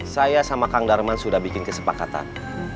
saya sama kang darman sudah bikin kesepakatan